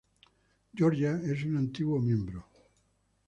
Georgia es un antiguo miembro.